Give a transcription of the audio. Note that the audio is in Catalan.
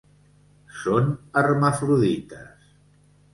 Són hermafrodites.